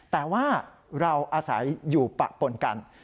แต่ว่าเราอาศัยอยู่ปะปนกัน